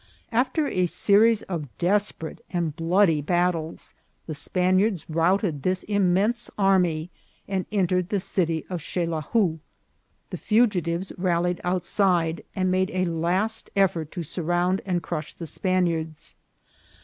After a series of desperate and bloody battles, the Spaniards routed this immense army, and entered the city of Xelahuh. The fugitives rallied out side, and made a last effort to surround and crush the Spaniards.